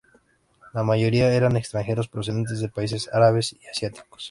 La mayoría eran extranjeros procedentes de países árabes y asiáticos.